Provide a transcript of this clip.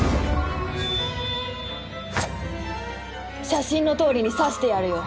写真のとおりに刺してやるよ。